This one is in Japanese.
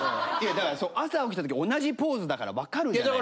だから朝起きたとき同じポーズだから分かるじゃないですか。